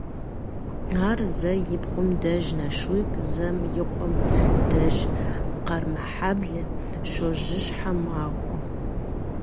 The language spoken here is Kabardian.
Ар зэм и пхъум деж Налшык, зэм и къуэм деж Къармэхьэблэ щожьыщхьэ махуэ.